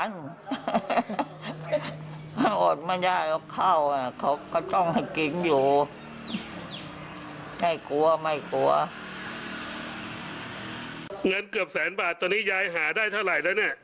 เงินเกือบแสนบาทตอนนี้ยายหาได้เท่าไหร่แล้วเนี่ย